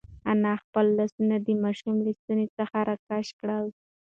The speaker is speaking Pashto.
انا خپل لاسونه د ماشوم له ستوني څخه راکش کړل.